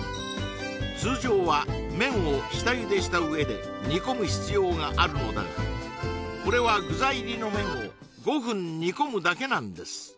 通常は麺を下ゆでした上で煮込む必要があるのだがこれは具材入りの麺を５分煮込むだけなんです！